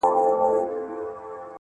o چي غول خورې کاچوغه تر ملا گرځوه!